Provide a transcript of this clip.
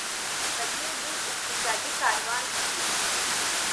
په دې لوی اقتصادي کاروان کې.